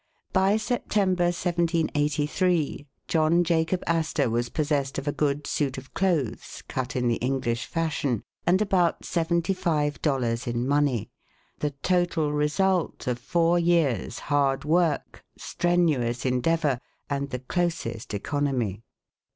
By September, 1783, John Jacob Astor was possessed of a good suit of clothes cut in the English fashion, and about seventy five dollars in money, the total result of four years' hard work, strenuous endeavor, and the closest economy.